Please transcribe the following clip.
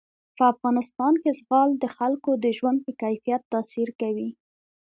په افغانستان کې زغال د خلکو د ژوند په کیفیت تاثیر کوي.